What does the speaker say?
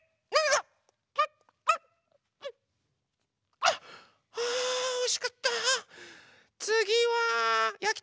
あおいしかった。